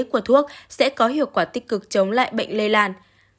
của thuốc sẽ có hiệu quả tích cực chống lại bệnh lây lan